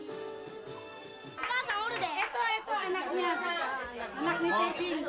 お母さんおるで！